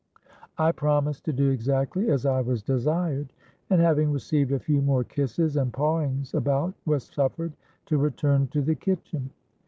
'—I promised to do exactly as I was desired; and, having received a few more kisses and pawings about, was suffered to return to the kitchen.